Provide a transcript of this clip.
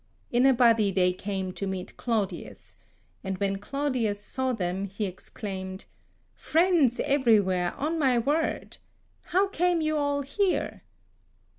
In a body they came to meet Claudius; and when Claudius saw them, he exclaimed, "Friends everywhere, on my word! How came you all here?"